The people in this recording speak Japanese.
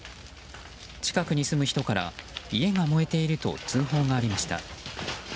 近くに住む人から家が燃えていると通報がありました。